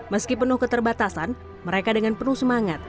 meski penuh keterbatasan mereka dengan penuh semangat